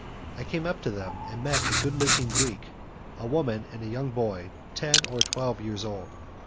I come up to them and meet a good looking Greek, a woman and a young boy ten or twelve years old.